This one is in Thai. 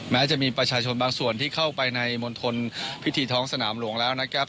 แม้จะมีประชาชนบางส่วนที่เข้าไปในมณฑลพิธีท้องสนามหลวงแล้วนะครับ